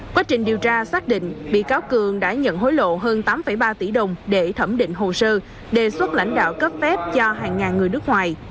quá trình điều tra xác định bị cáo cường đã nhận hối lộ hơn tám ba tỷ đồng để thẩm định hồ sơ đề xuất lãnh đạo cấp phép cho hàng ngàn người nước ngoài